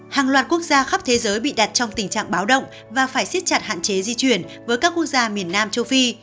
hàng loạt quốc gia khắp thế giới bị đặt trong tình trạng báo động và phải siết chặt hạn chế di chuyển với các quốc gia miền nam châu phi